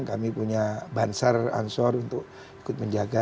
kami punya bansar ansor untuk ikut menjaga